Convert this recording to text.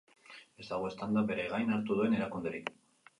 Ez dago eztandak bere gain hartu duen erakunderik.